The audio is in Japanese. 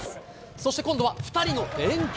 そして今度は２人の連係。